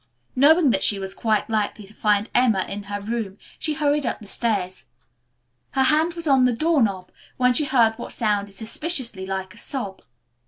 Knowing that she was quite likely to find Emma in her room she hurried up the stairs. Her hand was on the door knob when she heard what sounded suspiciously like a sob.